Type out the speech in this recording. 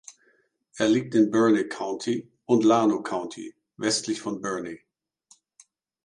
Er liegt in Burnet County und Llano County, westlich von Burnet.